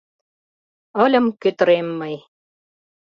Ыльым кӧтырем мый